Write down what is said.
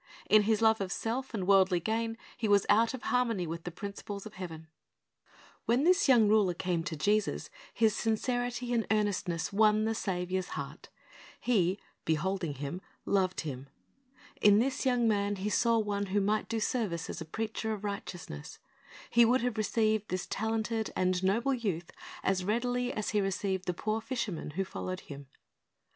In his love of self and worldly gain he was out of harmony with the principles of heaven. When this young ruler came to Jesus, his sincerity and A young ruler came, . reverently saluted Him." xnd kneeling f Tlic Reward of Grace 393 earnestness won the Saviour's heart. He "beholding him loved him." In this young man He saw one who might do service as a preacher of righteousness. He Avould have received this talented and noble youth as readily as He received the poor fishermen who followed Him.